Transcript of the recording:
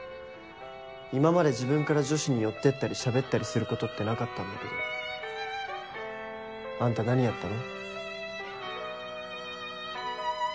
今まで自分から女子に寄ってったりしゃべったりすることってなかったんだけどあんた何やったの？